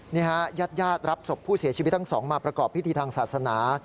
นี่ฮะญาติญาติรับศพผู้เสียชีวิตทั้งสองมาประกอบพิธีทางศาสนา